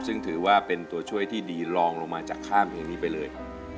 ซึ่งถือว่าเป็นตัวช่วยที่ดีลองลงมาจากข้ามเพลงนี้ไปเลยครับ